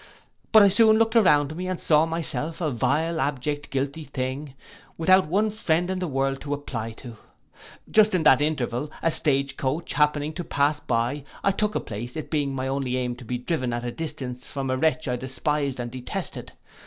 But I soon looked round me, and saw myself a vile, abject, guilty thing, without one friend in the world to apply to. Just in that interval, a stage coach happening to pass by, I took a place, it being my only aim to be driven at a distance from a wretch I despised and detested.